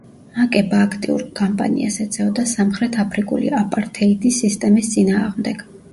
მაკება აქტიურ კამპანიას ეწეოდა სამხრეთ აფრიკული აპართეიდის სისტემის წინააღმდეგ.